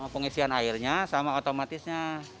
pengisian airnya sama otomatisnya